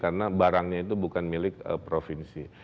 karena barangnya itu bukan milik provinsi